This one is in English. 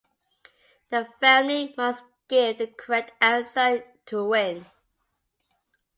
The family must give the correct answer to win.